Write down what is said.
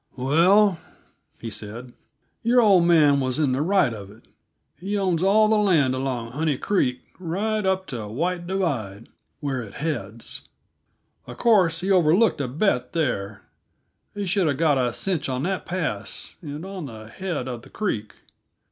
"Well," he said, "your old man was in the right of it; he owns all the land along Honey Creek, right up to White Divide, where it heads; uh course, he overlooked a bet there; he should have got a cinch on that pass, and on the head uh the creek.